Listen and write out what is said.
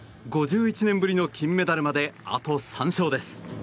５１年ぶりの金メダルまであと３勝です。